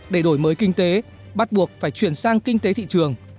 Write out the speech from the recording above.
để đổi mới kinh tế bắt buộc phải chuyển sang kinh tế thị trường